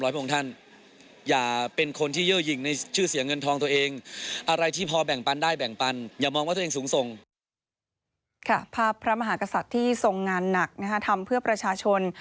ภาพพระมหากษัตริย์ที่ทรงงานหนักทำเพื่อประชาชน